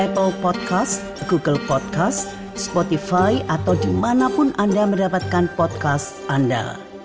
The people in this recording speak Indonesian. google podcast spotify atau dimanapun anda mendapatkan podcast anda